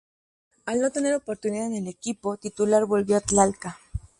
Al no tener oportunidad en el equipo titular volvió a Talca.